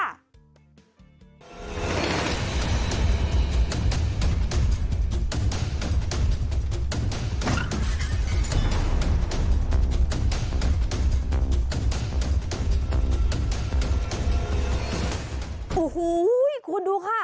โอ้โหคุณดูค่ะ